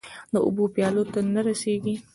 د اوبو پیالو ته نه رسيږې